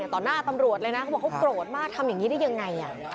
ต่อหน้าตำรวจเลยนะเขาบอกเขาโกรธมากทำอย่างนี้ได้ยังไง